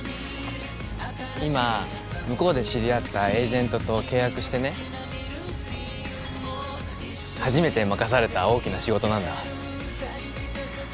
今向こうで知り合ったエージェントと契約してね初めて任された大きな仕事なんだ